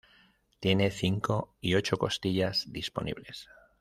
Tiene cinco y ocho costillas disponibles.